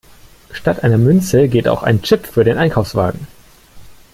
Statt einer Münze geht auch so ein Chip für den Einkaufswagen.